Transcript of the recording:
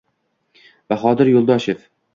Bahodir Yo‘ldoshev!..